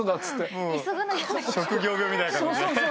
職業病みたいな感じで。